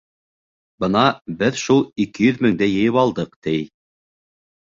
Бына беҙ шул ике йөҙ меңде йыйып алдыҡ, ти.